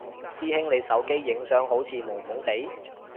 師兄你手機影相好似朦朦哋？